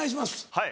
はい。